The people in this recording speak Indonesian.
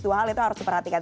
dua hal itu harus diperhatikan